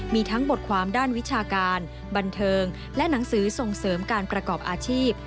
มีทั้งบทความด้านวิชาการบันเทิงและหนังสือส่งเสริมการประกอบอาชีพ